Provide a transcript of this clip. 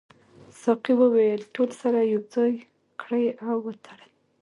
ساقي وویل ټول سره یو ځای کړئ او وتړئ.